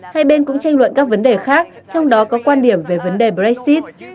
hai bên cũng tranh luận các vấn đề khác trong đó có quan điểm về vấn đề brexit